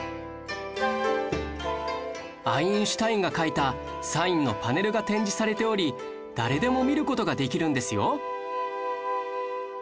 アインシュタインが書いたサインのパネルが展示されており誰でも見る事ができるんですよ